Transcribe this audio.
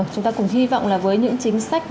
chúng ta cùng hy vọng là với những chính sách